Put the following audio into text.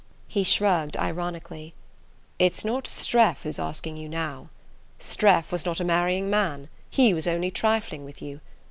He shrugged ironically. "It's not Streff who's asking you now. Streff was not a marrying man: he was only trifling with you.